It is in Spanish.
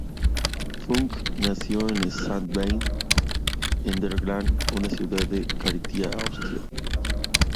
Puck nació en Sankt Veit an der Glan, una ciudad de Carintia, Austria.